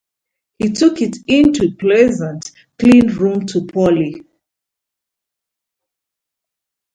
He took it into the pleasant, clean room to Polly.